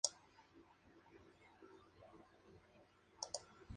Johansson et al.